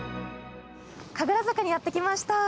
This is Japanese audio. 神楽坂にやって来ました。